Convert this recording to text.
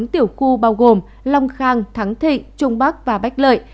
bốn tiểu khu bao gồm long khang thắng thịnh trung bắc và bách lợi